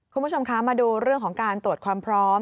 คุณผู้ชมคะมาดูเรื่องของการตรวจความพร้อม